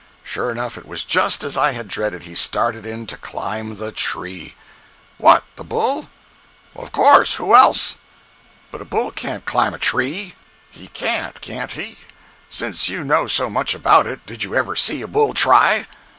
Sure enough, it was just as I had dreaded, he started in to climb the tree—" "What, the bull?" "Of course—who else?" "But a bull can't climb a tree." 065.jpg (75K) "He can't, can't he? Since you know so much about it, did you ever see a bull try?"